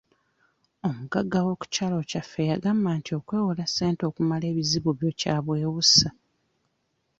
Omugagga w'okukyalo kyaffe yangamba nti okwewola ssente okumala ebizibu byo kya bwewussa.